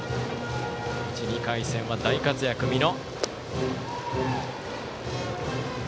１、２回戦は大活躍、美濃。